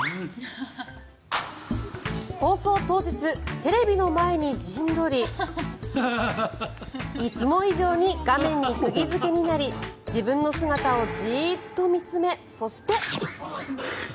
放送当日、テレビの前に陣取りいつも以上に画面に釘付けになり自分の姿をジーッと見つめそして。